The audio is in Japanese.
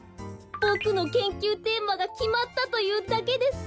ボクの研究テーマがきまったというだけです。